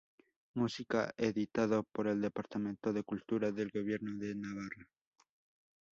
Música", editado por el Departamento de Cultura del Gobierno de Navarra.